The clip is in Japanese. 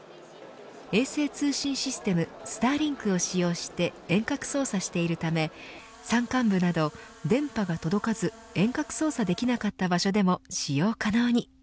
衛星通信システムＳｔａｒｌｉｎｋを使用して遠隔操作しているため山間部など電波が届かず遠隔操作できなかった場所でも使用可能に。